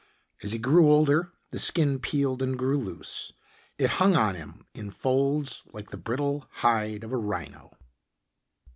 As he grew older the skin peeled and grew loose. It hung on him in folds like the brittle hide of a rhino.